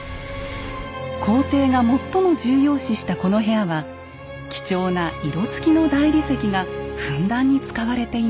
皇帝が最も重要視したこの部屋は貴重な色つきの大理石がふんだんに使われていました。